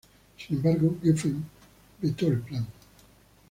Sin embargo, Geffen vetó el plan.